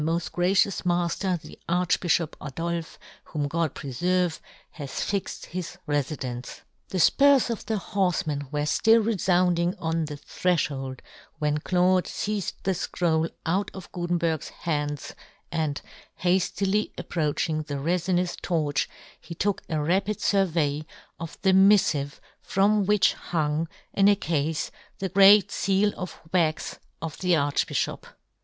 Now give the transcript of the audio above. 103 " moft gracious mafter, the Arch " bifliop Adolfe, whom God preferve, " has fixed his refidence." The fpurs of the horfeman were ftill refounding on the threfhold when Claude feized the fcroll out of Gutenberg's hands, and haftily ap proaching the refinous torch, he took a rapid 'furvey of the miffive from which hung, in a cafe, the great feal of wax of the Archbifhop.